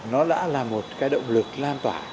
nó đã là một cái động lực lan tỏa